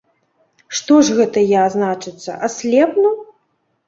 Што ж гэта я, значыцца, аслепну!